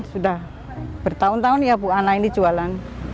sudah bertahun tahun ya bu anak ini jualan